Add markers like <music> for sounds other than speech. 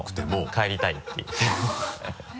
帰りたいっていう <laughs>